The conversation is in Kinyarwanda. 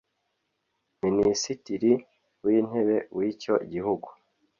Minisitiri w’Intebe w’icyo gihugu